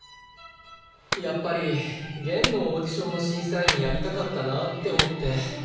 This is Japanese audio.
やっぱり弦のオーディションの審査員やりたかったなぁって思って。